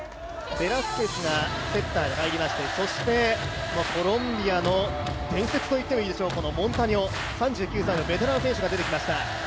ベラスケスがセッターで入りましてそしてコロンビアの伝説と言ってもいいでしょう、モンタニョ、３９歳のベテランの選手が出てきました。